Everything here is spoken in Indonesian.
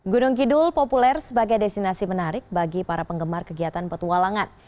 gunung kidul populer sebagai destinasi menarik bagi para penggemar kegiatan petualangan